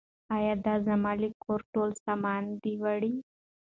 یا دي زما له کوره ټول سامان دی وړی